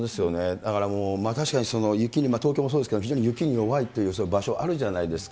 だからもう、確かに雪に、東京そうですけれども、雪に弱いという場所、あるじゃないですか。